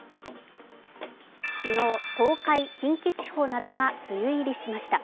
昨日、東海・近畿地方などが梅雨入りしました。